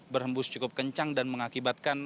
berhembus cukup kencang dan mengakibatkan